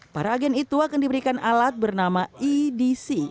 para agen itu akan diberikan alat bernama edc